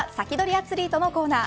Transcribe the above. アツリートのコーナー